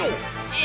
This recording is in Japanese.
え！